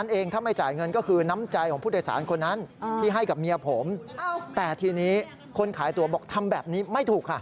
คุณต้องมาซื้อตั๋วใหม่